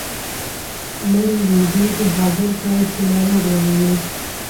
مړي وينځونکی حاضر کړئ چې ناروغ ووینځي.